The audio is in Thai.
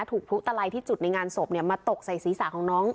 ถูกทุกตลายที่จุดในงานศพเนี้ยมาตกใส่ศีรษะของน้อง